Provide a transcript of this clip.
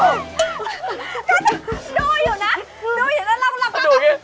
ก็จะดูอยู่นะดูอยู่แล้วเราก็